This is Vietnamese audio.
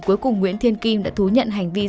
cuối cùng nguyễn thiên kim đã thú nhận hành vi